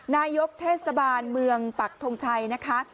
นายกเทศบาลเมืองปักทงชัยนะคะ